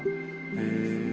へえ。